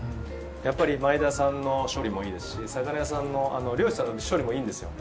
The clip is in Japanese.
やっぱり前田さんの処理もいいですし魚屋さんの漁師さんの処理もいいんですよ。